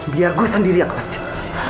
biar gue sendiri aku setuju